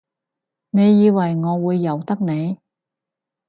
你以為我會由得你？